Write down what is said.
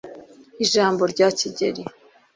Ijambo rya Kigeli